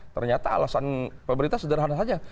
ternyata alasan pemerintah sederhana saja